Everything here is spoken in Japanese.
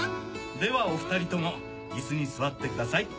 ではお２人とも椅子に座ってください。